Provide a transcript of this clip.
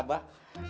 umi aku mau balik